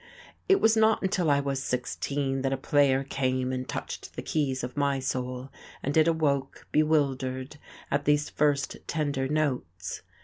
It was not until I was sixteen that a player came and touched the keys of my soul, and it awoke, bewildered, at these first tender notes.